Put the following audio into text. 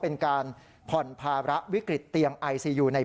เป็นการผ่อนภาระวิกฤตเตียงไอซียูใน